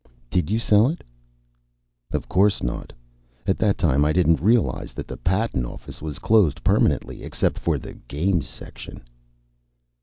"Did you sell it?" "Of course not. At that time I didn't realize that the patent office was closed permanently except for the games section."